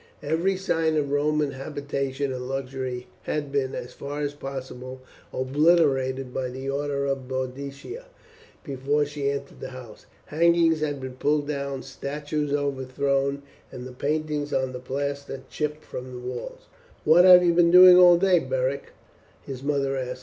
Every sign of Roman habitation and luxury had been, as far as possible, obliterated by order of Boadicea before she entered the house. Hangings had been pulled down, statues overthrown, and the paintings on the plaster chipped from the walls. "What have you been doing all day, Beric?" his mother asked.